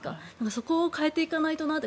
そこを変えていかないとなと。